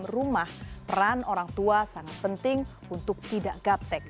rumah peran orang tua sangat penting untuk tidak gaptek